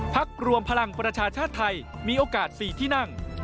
ด้านภาคประชาชาติไทยมีโอกาส๔ที่นั่ง